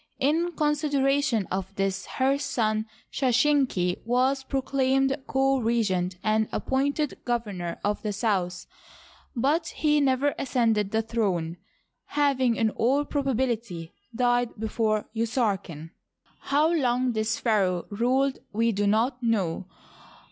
In considera tion of this, her son Sheshenq was proclaimed co regent and appointed eovemor of the South, but he never ascended the throne, naving in all probability died before Usarken. How long this pharaoh ruled we do not know.